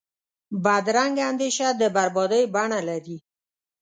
بدرنګه اندیشه د بربادۍ بڼه لري